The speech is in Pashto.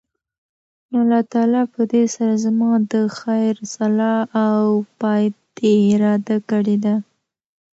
نو الله تعالی پدي سره زما د خير، صلاح او فائدي اراده کړي ده